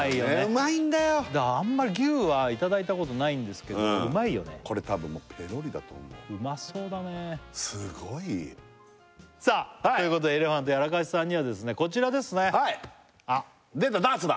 うまいんだよあんまり牛はいただいたことないんですけどこれうまいよねこれ多分ペロリだと思うすごいさあということでエレファントヤラカシさんにはこちらですねあっ出たダーツだ！